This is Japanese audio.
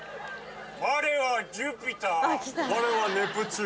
我はジュピター。